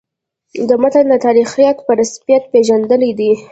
د متن د تاریخیت په رسمیت پېژندل دي.